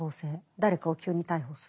誰かを急に逮捕する。